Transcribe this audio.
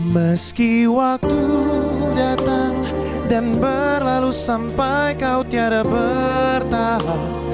meski waktu datang dan berlalu sampai kau tiada bertahan